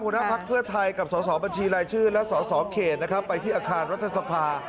พรักเพื่อไทยกับสอสอบัญชีลายชื่อและสอสอเขตไปที่อาคารรัฐสภา